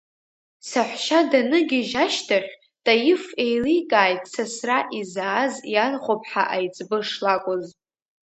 Саҳәшьа даныгьежь ашьҭахь, Таиф еиликааит сасра изааз ианхәыԥҳа аиҵбы шлакәыз…